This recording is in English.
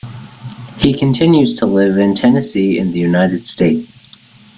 He continues to live in Tennessee in the United States.